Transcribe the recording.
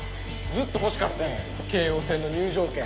ずっと欲しかってん京王線の入場券。